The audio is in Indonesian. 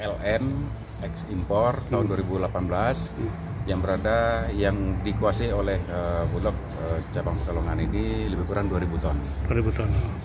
ln ekspor impor tahun dua ribu delapan belas yang berada yang dikuasai oleh bulog cabang pekalongan ini lebih kurang dua ribu ton